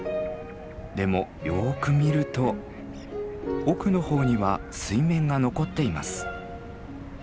でもよく見ると奥のほうには水面が残っています。